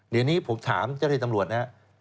เดี๋ยวนี้ผมถามเจ้าที่ตำรวจนะครับ